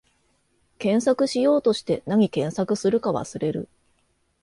検索しようとして、なに検索するか忘れる